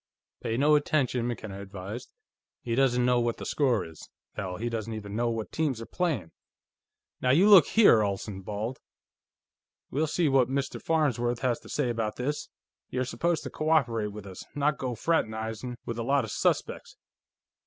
"Pay no attention," McKenna advised. "He doesn't know what the score is; hell, he doesn't even know what teams are playing." "Now you look here!" Olsen bawled. "We'll see what Mr. Farnsworth has to say about this. You're supposed to cooperate with us, not go fraternizin' with a lot of suspects.